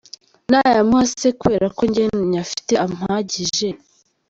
Nayamuha se kubera ko jye nyafite ampagije.